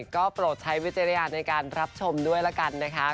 ก็โปรดใช้วิจารณญาณในการรับชมด้วยละกันนะคะ